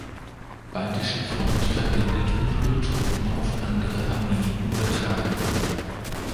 Baltischen Front verwendet und ihre Truppen auf andere Armeen übertragen.